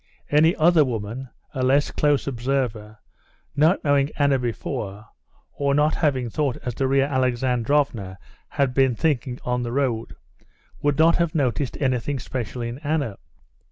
Any other woman, a less close observer, not knowing Anna before, or not having thought as Darya Alexandrovna had been thinking on the road, would not have noticed anything special in Anna.